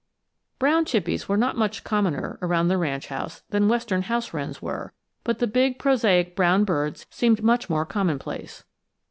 Brown chippies were not much commoner around the ranch house than western house wrens were, but the big prosaic brown birds seemed much more commonplace.